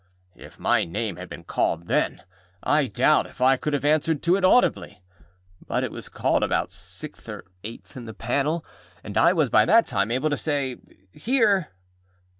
If my name had been called then, I doubt if I could have answered to it audibly. But it was called about sixth or eighth in the panel, and I was by that time able to say, âHere!